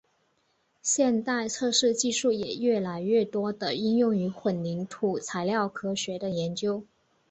现代测试技术也越来越多地应用于混凝土材料科学的研究。